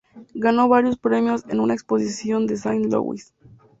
Ganó varios premios en una exposición de Saint Louis.